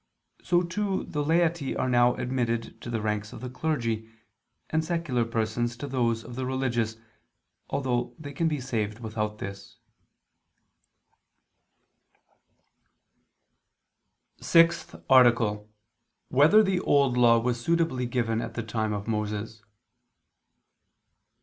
So too the laity are now admitted to the ranks of the clergy, and secular persons to those of the religious, although they can be saved without this. ________________________ SIXTH ARTICLE [I II, Q. 98, Art. 6] Whether the Old Law Was Suitably Given at the Time of Moses?